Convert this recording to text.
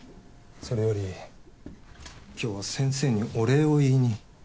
それより今日は先生にお礼を言いに。